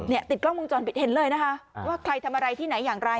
ติดกล้องวงจรปิดเห็นเลยนะคะว่าใครทำอะไรที่ไหนอย่างไร